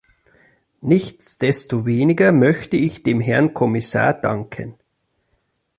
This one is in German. Nichtsdestoweniger möchte ich dem Herrn Kommissar danken.